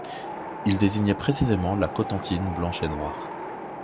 Il désignait précisément la cotentine blanche et noire.